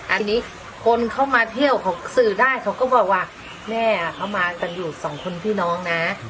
อันนี้คนเขามาเที่ยวเขาสื่อได้เขาก็บอกว่าแม่เขามากันอยู่สองคนพี่น้องนะ